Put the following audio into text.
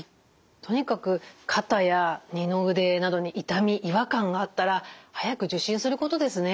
とにかく肩や二の腕などに痛み違和感があったら早く受診することですね。